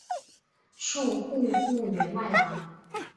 授户部员外郎。